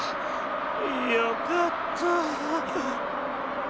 よかった。